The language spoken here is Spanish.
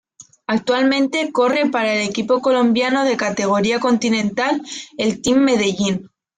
Actualmente corre para el equipo colombiano de categoría Continental el Team Medellín.